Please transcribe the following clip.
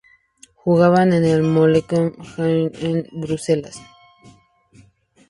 Jugaban en el Molenbeek-Saint-Jean, en Bruselas.